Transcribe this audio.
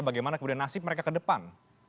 bagaimana kemudian nasib mereka ke depan